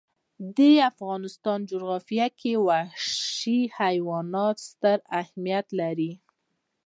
د افغانستان جغرافیه کې وحشي حیوانات ستر اهمیت لري.